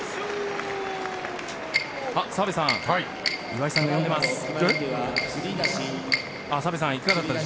澤部さん岩井さんが呼んでいます。